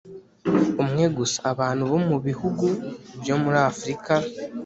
Umwe gusa abantu bo mu bihugu byo muri afurika